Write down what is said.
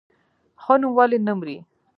ښه نوم ولې نه مري؟